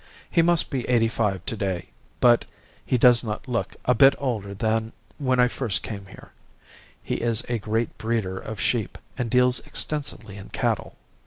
He must be eighty five to day, but he does not look a bit older than when I first came here. He is a great breeder of sheep, and deals extensively in cattle.